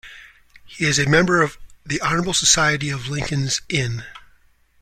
He is a member of the Honourable Society of Lincoln's Inn.